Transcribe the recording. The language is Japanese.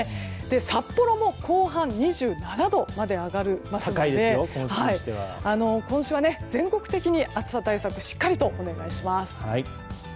札幌も後半２７度まで上がりますので今週は全国的に暑さ対策をしっかりお願いします。